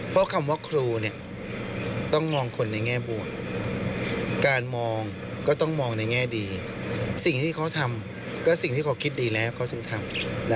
ฟังความมั่นใจของครูค่ะ